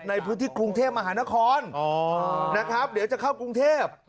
ในพื้นที่กรุงเทพมหานครนะครับเดี๋ยวจะเข้ากรุงเทพ